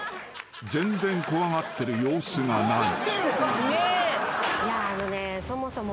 全然怖がってる様子がない］